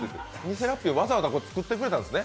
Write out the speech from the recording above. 偽ラッピーわざわざ作ってくれたんですね。